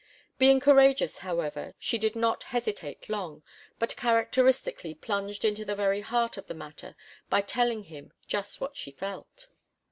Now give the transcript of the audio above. Being courageous, however, she did not hesitate long, but characteristically plunged into the very heart of the matter by telling him just what she felt.